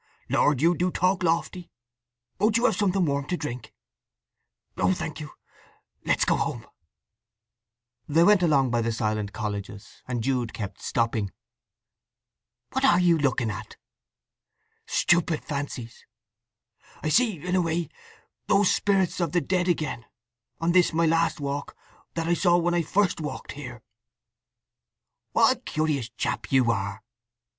"Lord—you do talk lofty! Won't you have something warm to drink?" "No thank you. Let's get home." They went along by the silent colleges, and Jude kept stopping. "What are you looking at?" "Stupid fancies. I see, in a way, those spirits of the dead again, on this my last walk, that I saw when I first walked here!" "What a curious chap you are!"